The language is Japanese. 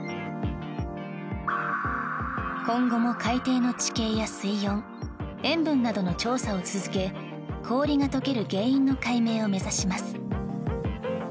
今後も、海底の地形や水温塩分などの調査を進め氷が解ける原因の解明を目指します。